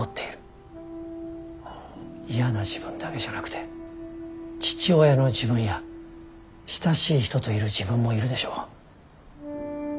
嫌な自分だけじゃなくて父親の自分や親しい人といる自分もいるでしょう。